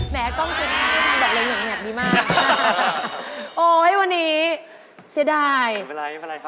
ไม่เป็นไรจริงจริง